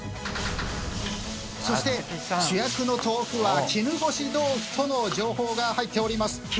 そして主役の豆腐は絹ごし豆腐との情報が入っております。